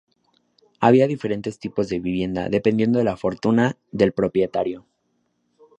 Había diferentes tipos de vivienda dependiendo de la fortuna del propietario.